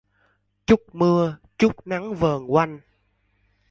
Chút mưa, chút nắng vờn quanh